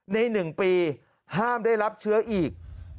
ใน๑ปีห้ามได้รับเชื้ออีก